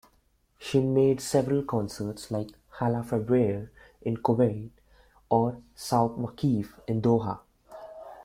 She made several concerts like "Hala Febrayer" in Koweit or "Souq Waqif" in Doha.